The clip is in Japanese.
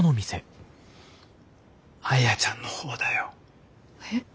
アヤちゃんの方だよ。えっ？